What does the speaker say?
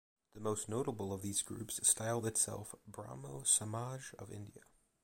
The most notable of these groups styled itself "Brahmo Samaj of India".